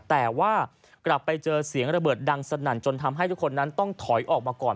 แต่ว่ากลับไปเจอเสียงระเบิดดังสนั่นจนทำให้ทุกคนนั้นต้องถอยออกมาก่อน